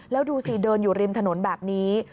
แล้วดูสิเดินอยู่ริมถนนแบบนี้